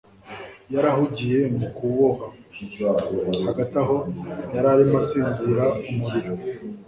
yari ahugiye mu kuboha. hagati aho, yari arimo asinzira umuriro